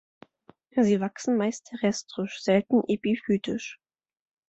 Sie wachsen meist terrestrisch, selten epiphytisch.